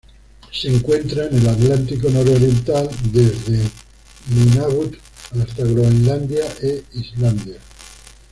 Se encuentra en el Atlántico nororiental: desde Nunavut hasta Groenlandia e Islandia.